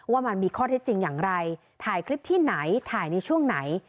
ว่ามันมีข้อเท็จจริงอย่างไรถ่ายคลิปที่ไหนถ่ายในช่วงไหน